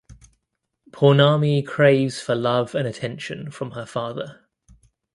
Pournami craves for love and attention from her father.